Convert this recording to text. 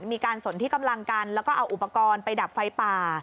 มีการสนที่กำลังกันแล้วก็เอาอุปกรณ์ไปดับไฟป่า